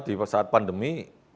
di saat pandemi